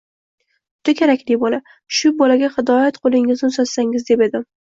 — Juda kerakli bola. Shu bolaga... hidoyat qo‘lingizni uzatsangiz, deb edim?